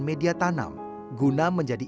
media tanam guna menjadi